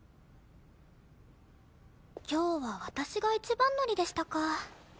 今日は私が一番乗りでしたか。